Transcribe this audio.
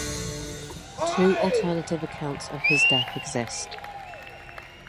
Two alternative accounts of his death exist.